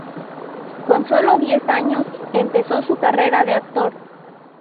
Con solo diez años empezó su carrera de actor.